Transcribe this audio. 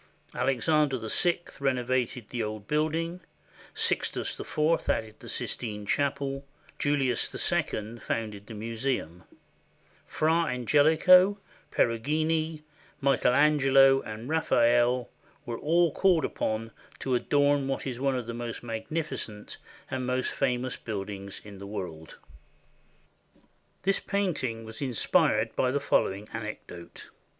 Alexander VI renovated the old building; Sixtus IV added the Sistine Chapel; Julius II founded the museum; Fra Angelico, Peru gino, Michael Angelo, and Raphael were all called upon to adorn what is one of the most magnificent and most famous buildings in the world. This painting was inspired by the following anecdote.